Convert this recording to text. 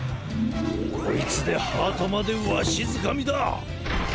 こいつでハートまでわしづかみだ！